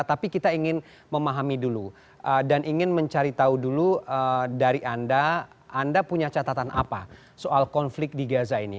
anda punya catatan apa soal konflik di gaza ini